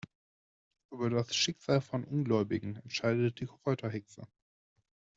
Über das Schicksal von Ungläubigen entscheidet die Kräuterhexe.